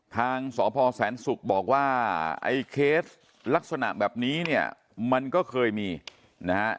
ทางสพแสนศุกร์บอกว่าไอ้เคสลักษณะแบบนี้เนี่ยมันก็เคยมีนะฮะ